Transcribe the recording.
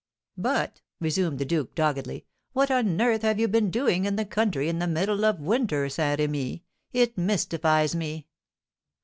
"But," resumed the duke, doggedly, "what on earth have you been doing in the country in the middle of winter, Saint Remy? It mystifies me."